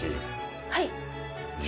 はい。